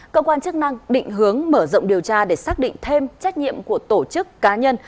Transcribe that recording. cơ quan chức năng định hướng mở rộng điều tra để xác định thêm trách nhiệm của tổ chức cá nhân